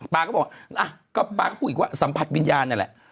ก็บอกก็ป๊าก็พูดอีกว่าสัมผัสวิญญาณนั่นแหละ